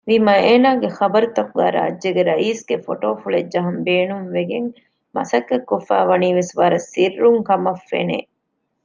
ވީމާ އޭނާގެ ޚަބަރުތަކުގައި ރާއްޖޭގެ ރައީސްގެ ފޮޓޯފުޅެއް ޖަހަން ބޭނުންވެގެން މަސައްކަތްކޮށްފައިވަނީވެސް ވަރަށް ސިއްރުންކަމަށްފެނެ